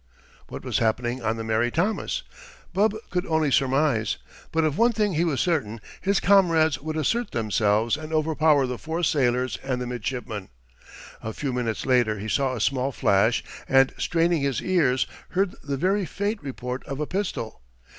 What was happening on the Mary Thomas? Bub could only surmise; but of one thing he was certain: his comrades would assert themselves and overpower the four sailors and the midshipman. A few minutes later he saw a small flash, and straining his ears heard the very faint report of a pistol.